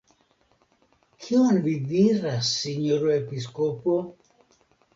Kion vi diras, sinjoro episkopo?